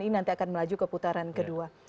ini nanti akan melaju ke putaran kedua